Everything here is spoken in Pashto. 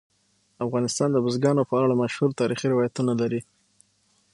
افغانستان د بزګانو په اړه مشهور تاریخي روایتونه لري.